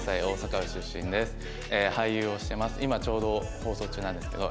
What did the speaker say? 大阪府出身です。